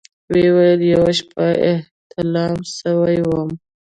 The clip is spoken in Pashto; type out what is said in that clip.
ويې ويل يوه شپه احتلام سوى وم.